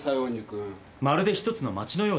まるでひとつの街のようです。